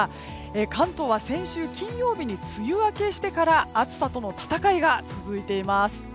関東は先週金曜日に梅雨明けしてから暑さとの戦いが続いています。